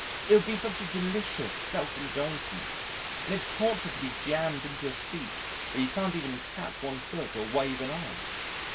It would be such a delicious self indulgence and it's torture to be jammed into a seat where you can't even tap one foot or wave an arm.